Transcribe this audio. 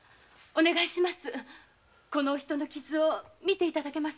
お願いします。